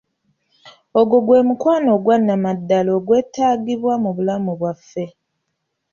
Ogwo gwe mukwano ogwa Nnamaddala ogwetaagibwa mu bulamu bwaffe.